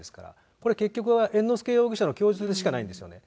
これ、結局は猿之助容疑者の供述でしかないんですよね。